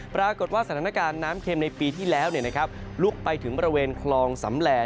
ปรากฏว่าสถานการณ์น้ำเข็มในปีที่แล้วลุกไปถึงบริเวณคลองสำแหล่